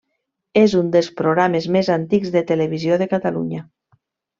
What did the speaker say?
És un dels programes més antics de Televisió de Catalunya.